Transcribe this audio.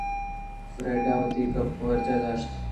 فریڈاءَ وتی گپ برجا داشت